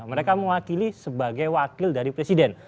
mereka mewakili sebagai wakil dari presiden